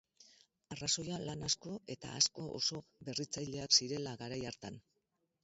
Arrazoia lan asko eta asko oso berritzaileak zirela garai hartan.